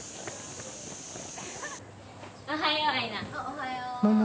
おはよう。